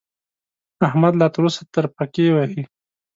احمد لا تر اوسه ترپکې وهي.